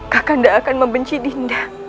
kakanda akan membenci dinda